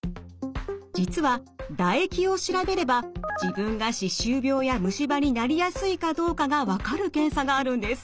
実は唾液を調べれば自分が歯周病や虫歯になりやすいかどうかが分かる検査があるんです。